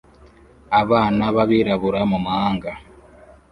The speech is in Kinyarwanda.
abana b'abirabura mu mahanga